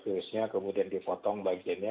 virusnya kemudian dipotong bagiannya